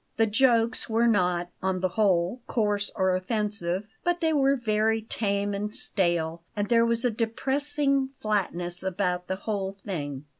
The jokes were not, on the whole, coarse or offensive; but they were very tame and stale, and there was a depressing flatness about the whole thing.